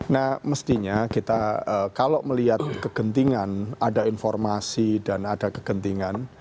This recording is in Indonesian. nah mestinya kita kalau melihat kegentingan ada informasi dan ada kegentingan